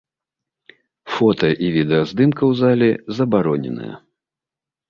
Фота і відэаздымка у залі забароненая.